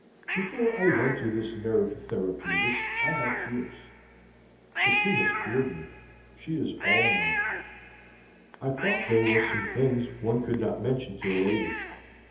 Before I went to this nerve therapeutist I had fears. But she has cured me. She is all nerve. I thought there were some things one could not mention to a lady.